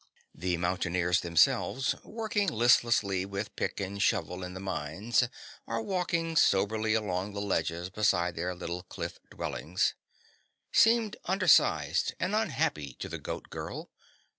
The mountaineers themselves, working listless with pick and shovel in the mines, or walking soberly along the ledges beside their little cliff dwellings, seemed undersized and unhappy to the Goat Girl.